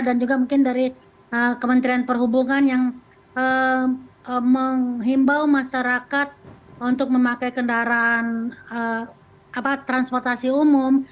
dan juga mungkin dari kementerian perhubungan yang menghimbau masyarakat untuk memakai kendaraan transportasi umum